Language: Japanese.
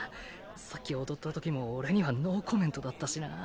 さっき踊ったときも俺にはノーコメントだったしな。